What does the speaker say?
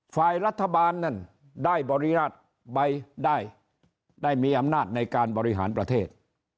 ฝ่ายรัฐบาลนั่นได้บริราชไปได้มีอำนาจในการบริหารประเทศ